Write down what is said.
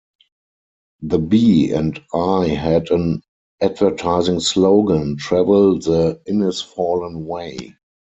The B and I had an advertising slogan: "Travel the Innisfallen Way".